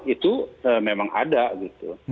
itu memang ada gitu